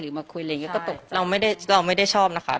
มาคุยอะไรอย่างนี้ก็ตกเราไม่ได้เราไม่ได้ชอบนะคะ